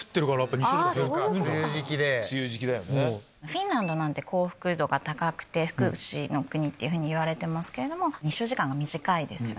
フィンランドなんて幸福度が高くて福祉の国っていうふうにいわれてますけれども日照時間が短いですよね。